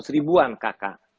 delapan ratus ribuan kk